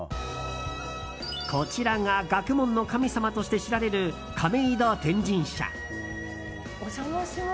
こちらが学問の神様として知られる亀戸天神社。